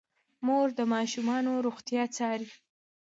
مور د ماشومانو روغتیا څاري.